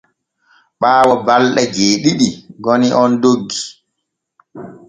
Ɓaawo balɗe jeeɗiɗi goni on doggi.